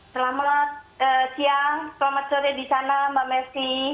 selamat siang selamat sore di sana mbak messi